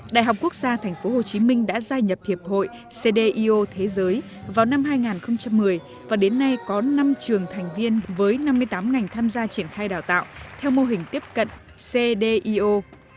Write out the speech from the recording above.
đại học quốc gia tp hcm đã gia nhập hiệp hội cdio thế giới vào năm hai nghìn một mươi và đến nay có năm trường thành viên với năm mươi tám ngành tham gia triển khai đào tạo theo mô hình tiếp cận cdio